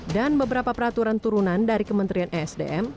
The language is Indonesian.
dan beberapa peraturan turunan dari kementerian esdm